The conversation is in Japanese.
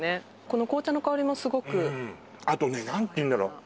この紅茶の香りもすごくうんあとね何て言うんだろう